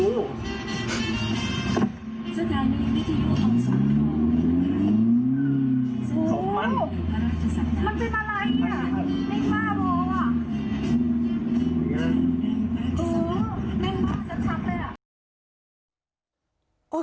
โอ้โหมันเป็นอะไรไหมไม่ทราบว่า